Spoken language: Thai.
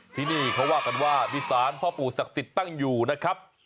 ที่นี่เขาว่ากันว่ามีสารพ่อปู่ศักดิ์สิทธิ์ตั้งอยู่นะครับ